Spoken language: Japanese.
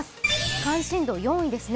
関心度４位ですね。